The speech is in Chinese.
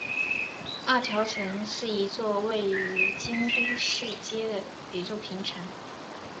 二条城是一座位于京都市街的一座平城。